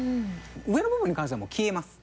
上の部分に関してはもう消えます。